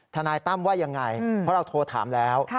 ทนายตั้มว่ายังไงเพราะเราโทรถามแล้ว